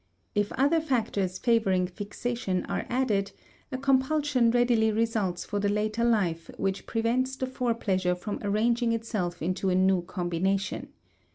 If other factors favoring fixation are added a compulsion readily results for the later life which prevents the fore pleasure from arranging itself into a new combination.